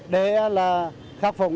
để khắc phục ngay những hậu quả của cây huyền